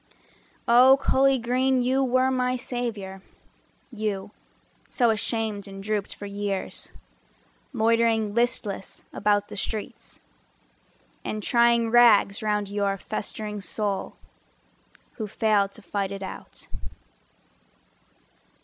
Oh, Cully Green, you were my savior— You, so ashamed and drooped for years, Loitering listless about the streets, And tying rags round your festering soul, Who failed to fight it out.